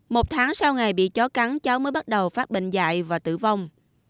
một tháng sau ngày bị chó cắn cháu mới bắt đầu phát bệnh dại và tử vong